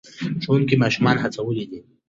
ښوونکي ماشومان هڅولي دي.